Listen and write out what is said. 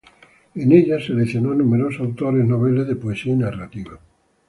En ella seleccionó a numerosos autores noveles de poesía y narrativa.